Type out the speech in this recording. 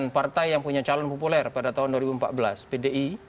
partai yang punya calon populer pada tahun dua ribu empat belas pdi